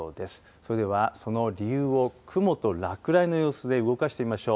それでは、その理由を雲と落雷の様子で動かしてみましょう。